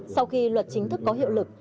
sau khi luật chính thức có hiệu lực